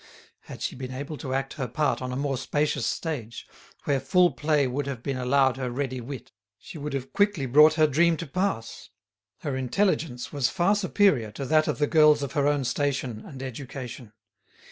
Had she been able to act her part on a more spacious stage, where full play would have been allowed her ready wit, she would have quickly brought her dream to pass. Her intelligence was far superior to that of the girls of her own station and education.